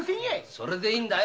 それでいいんだよ。